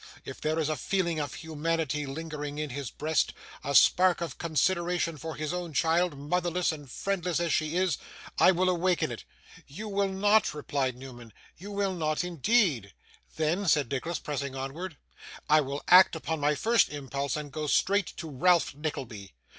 If there is a feeling of humanity lingering in his breast, a spark of consideration for his own child, motherless and friendless as she is, I will awaken it.' 'You will not,' replied Newman. 'You will not, indeed.' 'Then,' said Nicholas, pressing onward, 'I will act upon my first impulse, and go straight to Ralph Nickleby.